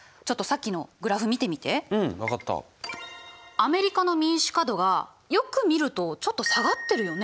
アメリカの民主化度がよく見るとちょっと下がってるよね？